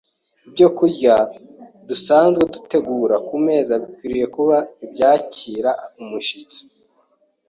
Ibyokurya dusanzwe dutegura ku meza bikwiriye kuba ibyakira n’umushyitsi